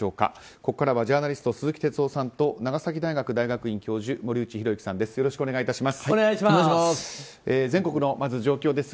ここからはジャーナリスト、鈴木哲夫さんと長崎大学大学院教授森内浩幸さんです。